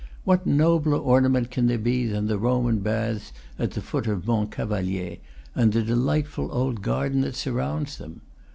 What nobler ornament can there be than the Roman baths at the foot of Mont Cavalier, and the delightful old garden that surrounds them?